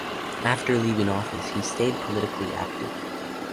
After leaving office, he stayed politically active.